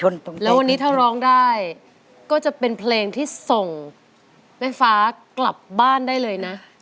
แล้ววันนี้ถ้าร้องได้ก็จะเป็นเพลงที่ส่งแม่ฟ้ากลับบ้านได้เลยนะ